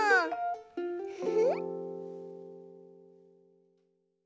フフ。